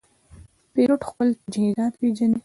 پیلوټ خپل تجهیزات پېژني.